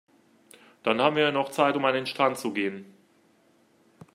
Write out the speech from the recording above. Dann haben wir ja noch Zeit, um an den Strand zu gehen.